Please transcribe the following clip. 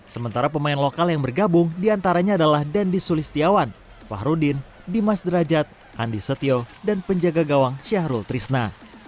sementara pemain lokal yang bergabung diantaranya adalah dendi sulistiawan fahrudin dimas derajat andi setio dan penjaga gawang syahrul trisna